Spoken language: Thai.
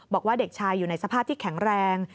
บอกว่าเด็กชายอยู่ในสภาพที่แข็งแรง